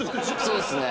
そうですね。